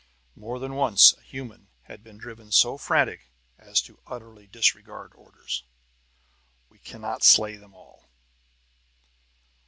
More than once a human had been driven so frantic as to utterly disregard orders. "We cannot slay them all."